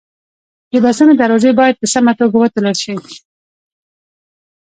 د بسونو دروازې باید په سمه توګه وتړل شي.